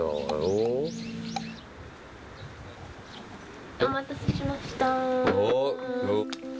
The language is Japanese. お待たせしましたー。